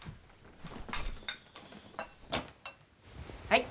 はい。